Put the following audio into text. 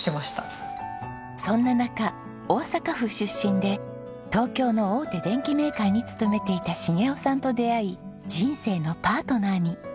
そんな中大阪府出身で東京の大手電機メーカーに勤めていた重夫さんと出会い人生のパートナーに。